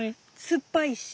酸っぱいし。